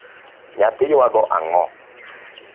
Nyathi ywago ang’o?